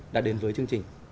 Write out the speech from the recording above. đã đến với chương trình